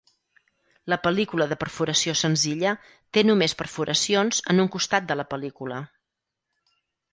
La pel·lícula de perforació senzilla té només perforacions en un costat de la pel·lícula.